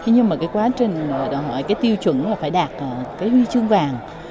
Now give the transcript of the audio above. nhưng mà cái quá trình cái tiêu chuẩn là phải đạt cái huy chương vàng